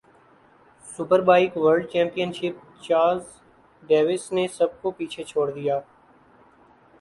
super bike world championship Chaz Davies نے سب کو پیچھے چھوڑ دیا